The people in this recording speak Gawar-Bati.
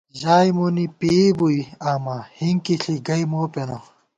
ژائےمونی پېئی بُوئی آما، ہِنکی ݪِی گئ موپېنہ